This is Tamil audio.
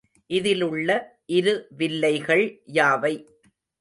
இதிலுள்ள இரு வில்லைகள் யாவை?